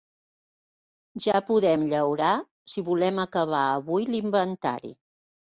Ja podem llaurar, si volem acabar avui l'inventari!